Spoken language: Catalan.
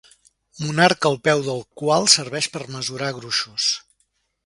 Monarca el peu del qual serveix per mesurar gruixos.